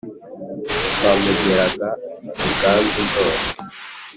twamugeraga ruganzu ndori